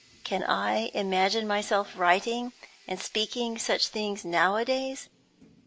Can I imagine myself writing and speaking such things now a days?